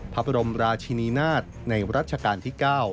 พระบรมราชินีนาฏในรัชกาลที่๙